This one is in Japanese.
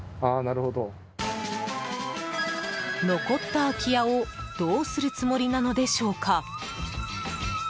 残った空き家をどうするつもりなのでしょうか。